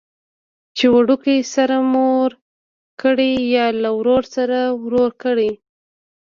چې وړوکي سره مور کړي یا له ورور سره ورور کړي.